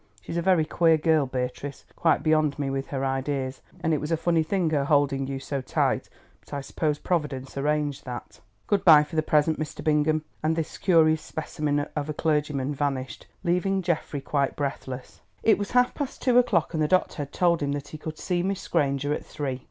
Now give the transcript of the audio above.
She's a very queer girl, Beatrice, quite beyond me with her ideas, and it was a funny thing her holding you so tight, but I suppose Providence arranged that. Good bye for the present, Mr. Bingham," and this curious specimen of a clergyman vanished, leaving Geoffrey quite breathless. It was half past two o'clock, and the doctor had told him that he could see Miss Granger at three.